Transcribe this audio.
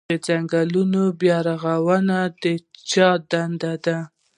د ځنګلونو بیا رغونه د چا دنده ده؟